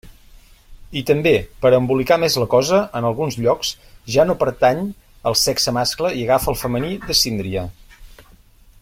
I també, per a embolicar més la cosa, en alguns llocs ja no pertany al sexe mascle i agafa el femení de síndria.